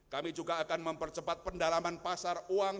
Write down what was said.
kami juga akan mempercepat pendalaman pasar uang